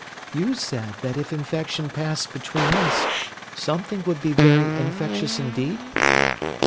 "You said that if infection passed between us, something would be very infectious indeed?"